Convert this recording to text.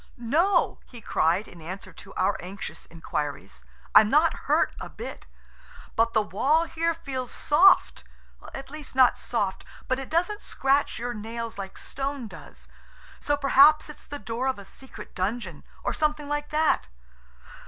"No," he cried, in answer to our anxious inquiries. "I'm not hurt a bit, but the wall here feels soft–at least not soft–but it doesn't scratch your nails like stone does, so perhaps it's the door of a secret dungeon or something like that."